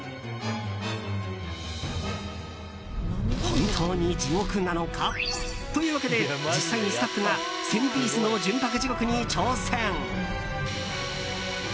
本当に地獄なのか？というわけで、実際にスタッフが１０００ピースの純白地獄に挑戦。